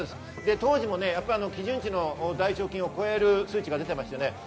当時、基準値の大腸菌を超える数値が出ていました。